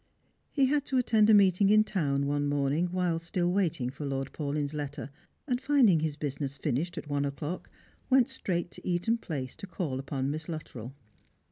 He had to attend a meeting in town one morning while still waiting for Lord Paulyn's letter, and finding his business finished at one o'clock, went straight to Eato«i Slrangers and Pilgrims. ii77 place to cal). upon Miss Luttrell.